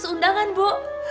lima ratus undangan bu